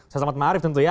saya selamat maaf tentunya